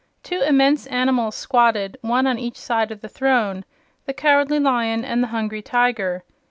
Two immense animals squatted, one on each side of the throne the Cowardly Lion and the Hungry Tiger.